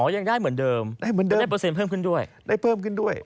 อ๋อยังได้เหมือนเดิม